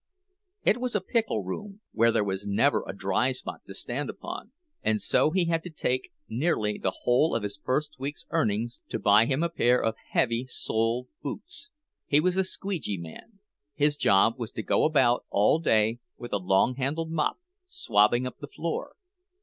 It was a "pickle room," where there was never a dry spot to stand upon, and so he had to take nearly the whole of his first week's earnings to buy him a pair of heavy soled boots. He was a "squeedgie" man; his job was to go about all day with a long handled mop, swabbing up the floor.